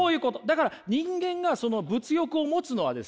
だから人間がその物欲を持つのはですね